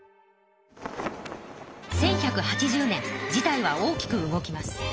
１１８０年事態は大きく動きます。